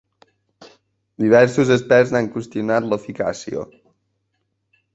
Diversos experts n’han qüestionat l’eficàcia.